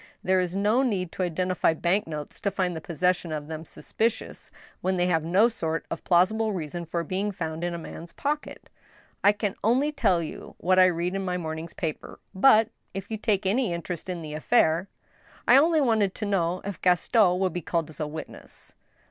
" There is no need to identify bank notes to find the possession of them suspicious when they have no sort of plausible reason for be ing found in a man's pocket. I can only tell you what I read in my morning's paper; ... but, if you take any interest in the affair—" " I only wanted to know if Gaston would be called as a witness."